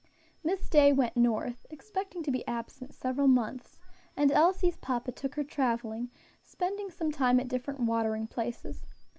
Miss Day went North, expecting to be absent several months, and Elsie's papa took her traveling, spending some time at different watering places.